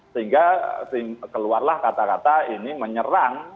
sehingga keluarlah kata kata ini menyerang